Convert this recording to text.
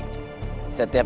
setiap ilmu yang setelahmu